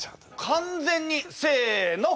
完全にせの！